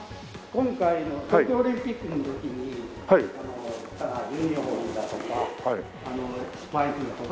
今回の東京オリンピックの時に着たユニホームだとかスパイクだとか。